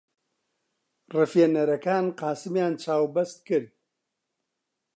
ڕفێنەرەکان قاسمیان چاوبەست کرد.